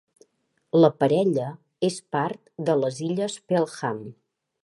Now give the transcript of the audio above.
La parella és part de les Illes Pelham.